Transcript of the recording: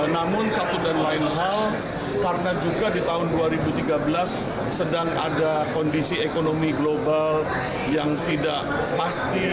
namun satu dan lain hal karena juga di tahun dua ribu tiga belas sedang ada kondisi ekonomi global yang tidak pasti